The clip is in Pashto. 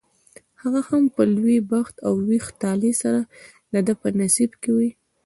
هغه هم په لوی بخت او ویښ طالع سره دده په نصیب کې وي.